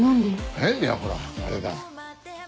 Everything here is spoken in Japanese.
えっいやほらあれだ。